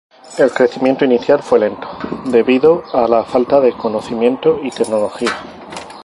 El crecimiento inicial fue lento debido a la falta de conocimiento y tecnología.